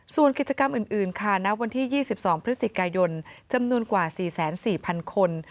ส่วนกิจกรรมอื่นค่ะณวันที่๒๒พฤศจิกายนจำนวนกว่า๔๔๐๐๐คน